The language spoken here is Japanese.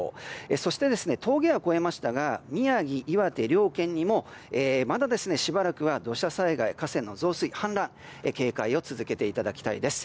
そして、峠は越えましたが宮城、岩手両県にもまだしばらくは土砂災害、河川の増水・氾濫警戒を続けていただきたいです。